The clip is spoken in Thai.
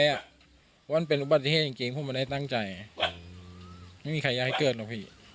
เพราะว่าเป็นอุบัติเทศจริงจริงผมมันได้ตั้งใจอืมไม่มีใครอยากให้เกิดเราพี่